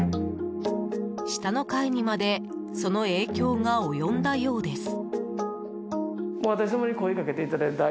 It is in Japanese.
下の階にまでその影響が及んだようです。